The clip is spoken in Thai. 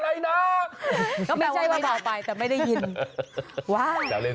อะไรนะก็แปลว่าไม่ได้ยินแต่ไม่ได้ยิน